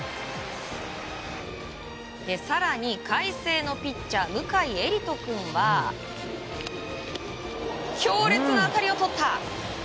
更に、海星のピッチャー向井恵理登君は強烈な当たりをとった！